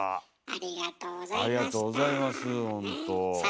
ありがとうございますほんと。